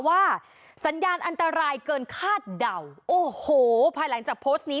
ว่าสัญญาณอันตรายเกินคาดเดาโอ้โหภายหลังจากโพสต์นี้